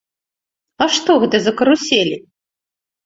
А што гэта за каруселі?